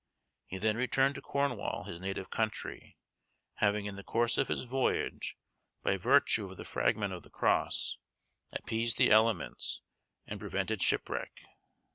He then returned to Cornwall, his native country, having in the course of his voyage, by virtue of the fragment of the cross, appeased the elements, and prevented shipwreck.